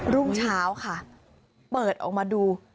รุ่งเช้าค่ะเปิดออกมาดู